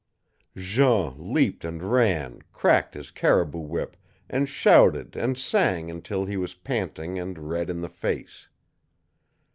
Jean leaped and ran, cracked his caribou whip, and shouted and sang until he was panting and red in the face.